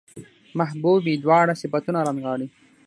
محبوبې دواړه صفتونه رانغاړي